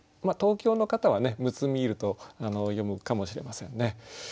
東京の方はね「陸み居る」と読むかもしれませんね。